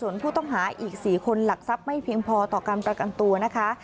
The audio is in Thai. ส่วนผู้ต้องหาอีก๔คนหลักทรัพย์ไม่เพียงพอต่อการประกันตัวนะคะ